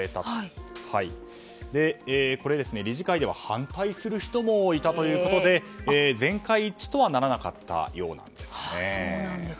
これ、理事会では反対する人もいたということで全会一致とはならなかったようです。